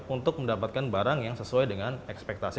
untuk mendapatkan barang yang sesuai dengan ekspektasi